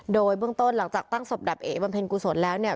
โดยเบื้องต้นหลังจากตั้งศพดับเอ๋บำเพ็ญกุศลแล้วเนี่ย